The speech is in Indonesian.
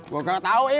gue nggak tahu im